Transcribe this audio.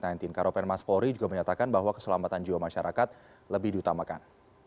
dan karopenmas polri juga menyatakan bahwa keselamatan jiwa masyarakat lebih diutamakan